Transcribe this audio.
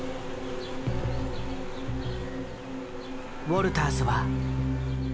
ウォルターズは。